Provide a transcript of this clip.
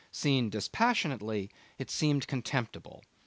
Seen dispassionately, it seemed contemptible.